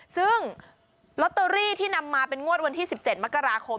ซึ่งลอตเตอรี่ที่นำมาเป็นงวดวันที่๑๗มกราคม